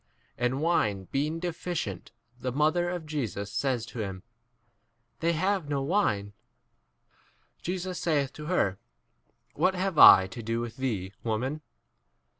And wine being deficient, the mother of Jesus says to him, They have no 4 wine. Jesus saith to her, What have I to do with thee, woman?